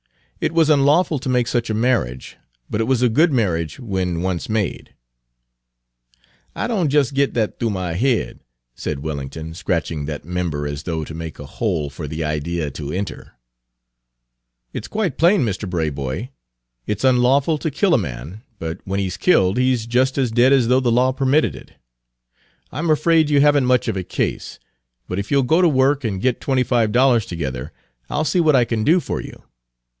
It was unlawful to make such a marriage, but it was a good marriage when once made." "I don' jes' git dat th'oo my head," said Wellington, scratching that member as though to make a hole for the idea to enter. "It's quite plain, Mr. Braboy. It's unlawful to kill a man, but when he's killed he's just as dead as though the law permitted it. I'm afraid you have n't much of a case, but if you'll go to work and get twenty five dollars together, I'll see what I can do for you.